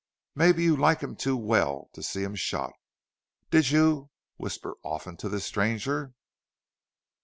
"Maybe you like him too well to see him shot?... Did you whisper often to this stranger?"